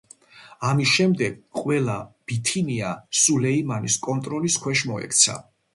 ამის შემდეგ, ყველა ბითინია სულეიმანის კონტროლის ქვეშ მოექცა.